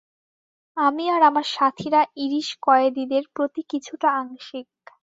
আমি আর আমার সাথীরা ইরিশ কয়েদীদের প্রতি কিছুটা আংশিক।